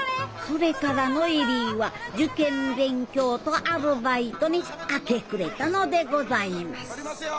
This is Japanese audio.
それからの恵里は受験勉強とアルバイトに明け暮れたのでございます撮りますよ。